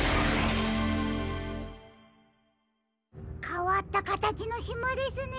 かわったかたちのしまですね。